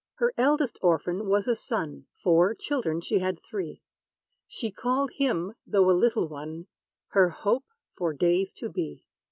Her eldest orphan was a son; For, children she had three; She called him, though a little one, Her hope for days to be.